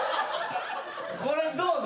これどうだ？